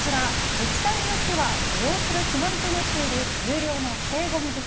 自治体によっては、利用する決まりとなっている、有料の指定ごみ袋。